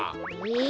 え？